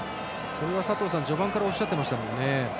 それは佐藤さん序盤からおっしゃっていましたね。